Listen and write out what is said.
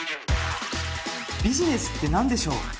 ビジネスって何でしょう？